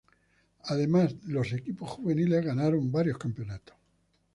Además, los equipos juveniles ganaron varios campeonatos.